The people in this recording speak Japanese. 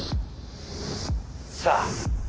「さあ」